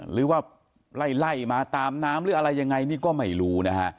หรือว่าไล่มาตามน้ำหรืออะไรยังไงนี่ก็ไม่รู้นะฮะ